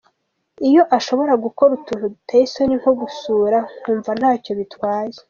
Iyo ashobora gukora utuntu duteye isoni nko gusura nkumva ntacyo bitwaye”.